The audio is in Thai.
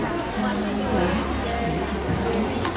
อันนี้นี่ตักลีหรอตา